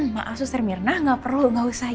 maaf suser myrina gak perlu